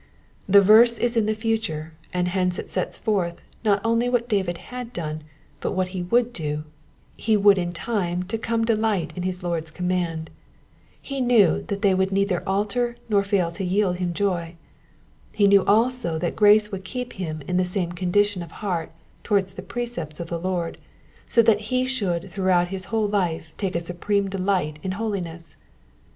The verse is in the future, and hence it sets forth, not only what David had done, but what he would do ; he would in time to come delight in his Lord's command. He knew that they w(»uld neither alter, nor fail to yield him joy. He knew also that grace would keep him in the same condition of heart towards the precepts of the Lord, so that he should throughout his whole life take a supreme delight in holiness.